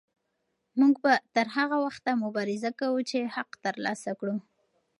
موږ به تر هغه وخته مبارزه کوو چې حق ترلاسه کړو.